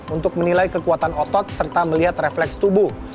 untuk menilai kekuatan otot serta melihat refleks tubuh